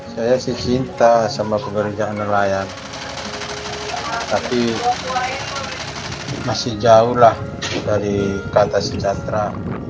saya sih cinta sama pekerjaan nelayan tapi masih jauh lah dari kata sejahtera